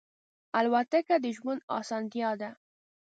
الوتکه د ژوند آسانتیا ده.